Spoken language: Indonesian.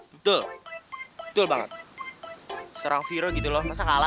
betul betul banget serang firo gitu loh masa kalah sih